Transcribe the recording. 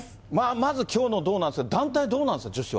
まずきょうの銅なんですが、団体はどうなんですか？